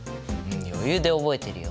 余裕で覚えてるよ。